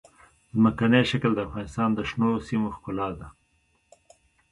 ځمکنی شکل د افغانستان د شنو سیمو ښکلا ده.